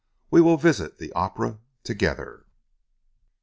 We will visit the opera together."